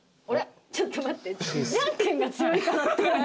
あれっちょっと待って。